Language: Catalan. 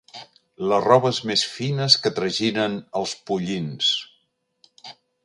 Les robes més fines que traginen els pollins.